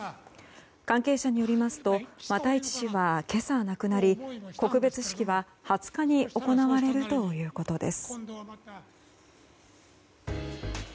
関係者によりますと又市氏は今朝亡くなり告別式は２０日に行われるということです。